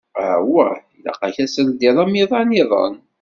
Awah, ilaq-ak ad teldiḍ amiḍan-iḍen.